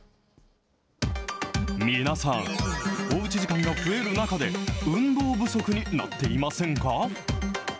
皆さん、おうち時間が増える中で、運動不足になっていませんか。